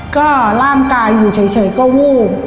ก็ร่างกายอยู่เฉยก็วูบ